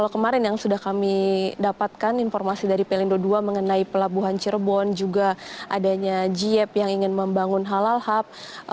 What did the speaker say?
kemarin yang sudah kami dapatkan informasi dari pln dua puluh dua mengenai pelabuhan cirebon juga adanya jiep yang ingin membangun halal hub